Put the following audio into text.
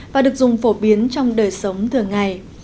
và được dùng phổ biến trong đời sống thường ngày